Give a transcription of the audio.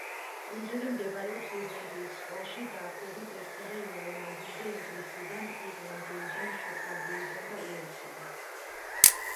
კუნძული მდებარეობს ირლანდიის ზღვაში, დაახლოებით ერთსა და იმავე მანძილზე ინგლისიდან, ირლანდიიდან, შოტლანდიიდან და უელსიდან.